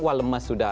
wah lemas sudah